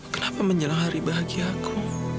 kenapa menjelang hari bahagia aku